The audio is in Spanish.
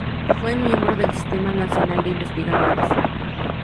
Fue miembro del Sistema Nacional de Investigadores.